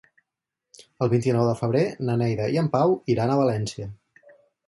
El vint-i-nou de febrer na Neida i en Pau iran a València.